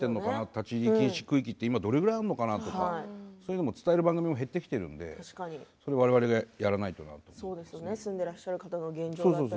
立ち入り禁止区域が今どれくらいあるのかとかそういうものを伝える番組も減ってきているのでわれわれがやらないとなと。